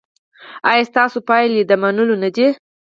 ایا ستاسو پایلې د منلو نه دي؟